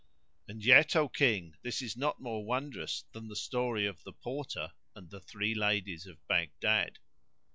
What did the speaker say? And yet, O King! this is not more wondrous than the story of The Porter and the Three Ladies of Baghdad.